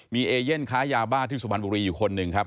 มีเอเย่นค้ายาบ้าที่สุพรรณบุรีอยู่คนหนึ่งครับ